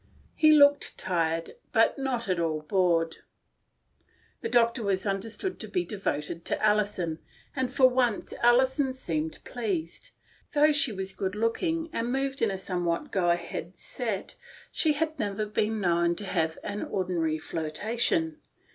He looked tired, but not at all bored. The doctor was understood to be devoted to Alison, and, for once, Alison seemed pleased. Though she was good looking and moved in a somewhat go ahead set, she had never been known to have an ordinary flirta tion.